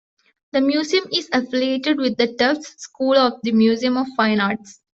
The museum is affiliated with the Tufts School of the Museum of Fine Arts.